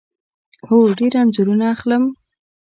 هو، ډیر انځورونه اخلم